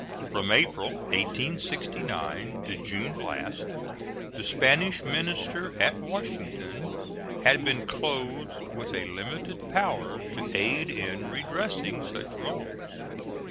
From April, 1869, to June last the Spanish minister at Washington had been clothed with a limited power to aid in redressing such wrongs.